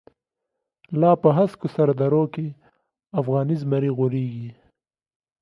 لاپه هسکوسردروکی، افغانی زمری غوریږی